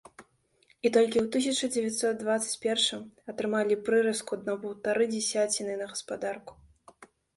І толькі ў тысяча дзевяцьсот дваццаць першым атрымалі прырэзку па паўтары дзесяціны на гаспадарку.